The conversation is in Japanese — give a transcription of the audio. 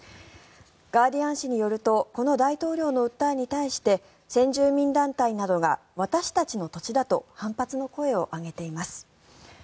ガーディアン紙によるとこの大統領の訴えに対して先住民団体などが私たちの土地だと反発の声を上げています。